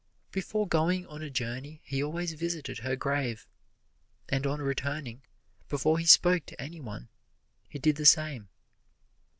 Before going on a journey he always visited her grave, and on returning, before he spoke to any one, he did the same.